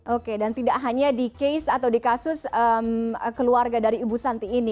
oke dan tidak hanya di case atau di kasus keluarga dari ibu santi ini